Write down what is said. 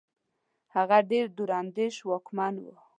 هغه ډېر دور اندېش واکمن وو.